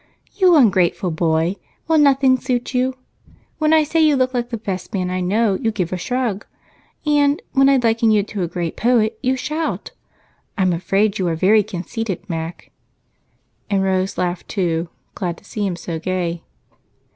"You ungrateful boy! Will nothing suit you? When I say you look like the best man I know, you gave a shrug, and when I liken you to a great poet, you shout. I'm afraid you are very conceited, Mac." And Rose laughed, too, glad to see him so gay.